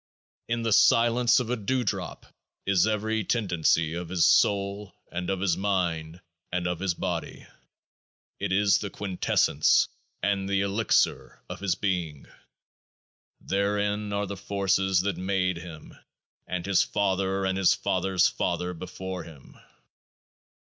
In the silence of a dewdrop is every tendency of his soul, and of his mind, and of his body ; it is the Quintessence and the Elixir of his being. Therein are the forces that made him and his father and his father's father before him.